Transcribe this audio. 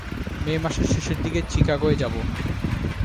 মে মাসের শেষের দিকে চিকাগোয় যাব।